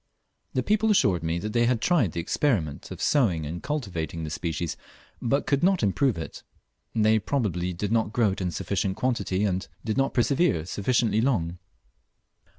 The people assured me they had tried the experiment of sowing and cultivating this species, but could not improve it. They probably did not grow it in sufficient quantity, and did not persevere sufficiently long.